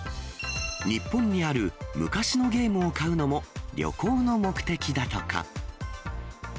日本にある昔のゲームを買うのも旅行の目的だとか。